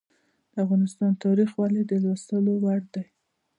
د افغانستان تاریخ ولې د لوستلو وړ دی؟